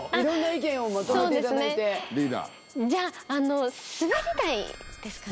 じゃあすべり台ですかね。